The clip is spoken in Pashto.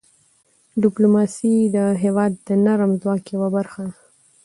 ډيپلوماسي د هېواد د نرم ځواک یوه برخه ده.